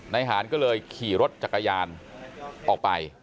นายหานก็เลยขี่รถจักรยานออกไป